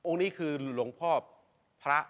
องค์นี้คือหลวงพ่อพระ